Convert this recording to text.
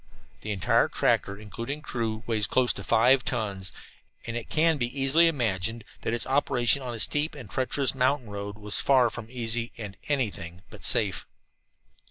The entire tractor, including crew, weighs close to five tons, and it can be easily imagined that its operation on a steep and treacherous mountain road was far from easy and anything but entirely safe.